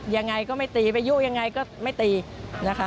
ยังไงก็ไม่ตีไปยุ่งยังไงก็ไม่ตีนะคะ